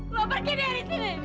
lo pergi dari sini